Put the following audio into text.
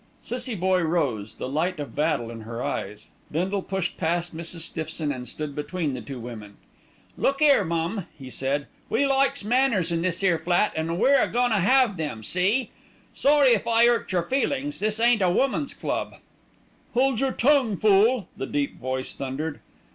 Cissie Boye rose, the light of battle in her eyes. Bindle pushed past Mrs. Stiffson and stood between the two women. "Look 'ere, mum," he said, "we likes manners in this 'ere flat, an' we're a goin' to 'ave 'em, see! Sorry if I 'urt your feelin's. This ain't a woman's club." "Hold your tongue, fool!" the deep voice thundered.